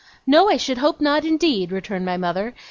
'No, I should hope not, indeed!' returned my mother.